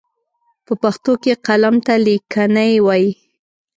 په پښتو کې قلم ته ليکنی وايي.